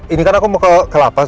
ini kan aku mau ke lapas